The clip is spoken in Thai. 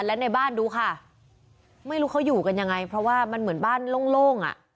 และในบ้านดูค่ะไม่รู้เขาอยู่กันยังไงเพราะว่ามันเหมือนบ้านโล่งอ่ะ